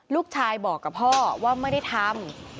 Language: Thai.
ลูกชายบอกกับพ่อว่าไม่ได้ทำ